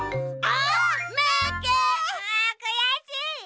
あっくやしい！